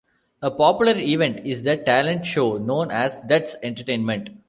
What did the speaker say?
A popular event is the talent show, known as That's Entertainment!